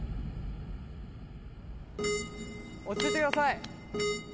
落ち着いてください。